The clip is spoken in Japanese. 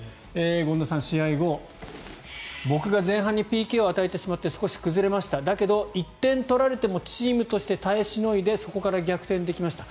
権田さん、試合後僕が前半にＰＫを与えてしまって少し崩れましただけど、１点取られてもチームとして耐えしのいでそこから逆転できました